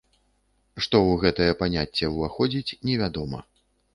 Што ў гэтае паняцце ўваходзіць, невядома.